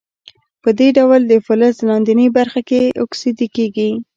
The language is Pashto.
په دې ډول د فلز لاندینۍ برخې هم اکسیدي کیږي.